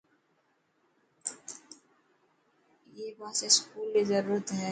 اڻي پاسي اسڪول ري ضرورت هي.